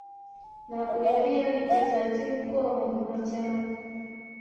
Ntago yari yarigeze agira ubwoba nyuma cyane